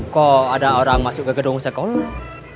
kok ada orang masuk ke gedung sekolah